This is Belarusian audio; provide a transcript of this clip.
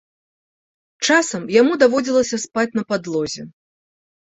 Часам яму даводзілася спаць на падлозе.